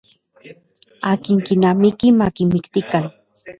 Akin kinamiki makimiktikan.